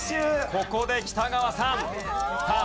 ここで北川さん。